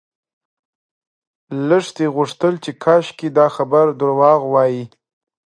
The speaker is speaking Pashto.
لښتې غوښتل چې کاشکې دا خبر درواغ وای.